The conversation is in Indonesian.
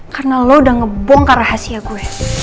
karena lo udah ngebongkar rahasia gue